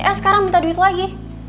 eh sekarang minta duit lagi